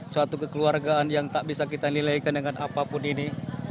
suatu kekeluargaan yang tak bisa kita nilaikan dengan apapun ini